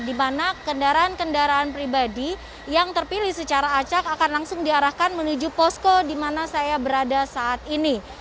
di mana kendaraan kendaraan pribadi yang terpilih secara acak akan langsung diarahkan menuju posko di mana saya berada saat ini